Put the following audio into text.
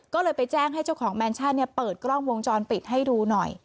ก็เลยไปแจ้งให้เจ้าของแมนชั่นเปิดกล้องวงจรปิดให้ดูหน่อย